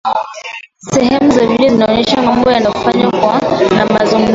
sehemu za video vinaonesha mambo yanayofanywa na wazungumzaji